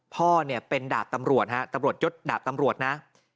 พ่อเนี่ยเป็นดาบตำรวจฮะตำรวจยศดาบตำรวจนะ